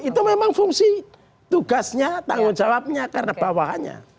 itu memang fungsi tugasnya tanggung jawabnya karena bawahannya